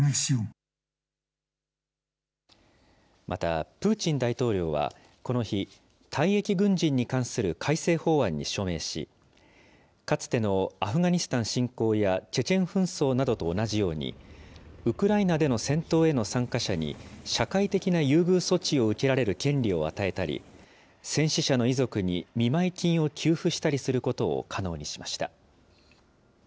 またプーチン大統領はこの日、退役軍人に関する改正法案に署名し、かつてのアフガニスタン侵攻やチェチェン紛争などと同じように、ウクライナでの戦闘への参加者に、社会的な優遇措置を受けられる権利を与えたり、戦死者の遺族に見舞い金を給付したりすることを可能にしました。